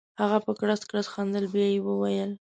هغه په کړس کړس خندل بیا یې وویل.